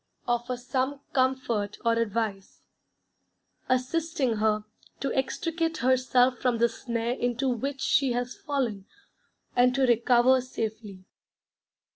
offer some comfort or advice, assisting her to extricate herself from the snare into which she has fallen, and to recover safety.